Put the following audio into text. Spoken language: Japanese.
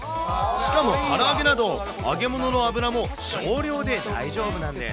しかもから揚げなど、揚げ物の油も少量で大丈夫なんです。